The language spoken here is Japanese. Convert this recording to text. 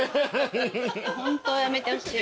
ホントやめてほしい。